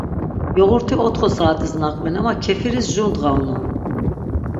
Yoğurti otxo saatis naqven ama kefiris jur ndğa unon.